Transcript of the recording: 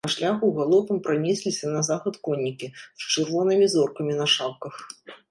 Па шляху галопам пранесліся на захад коннікі з чырвонымі зоркамі на шапках.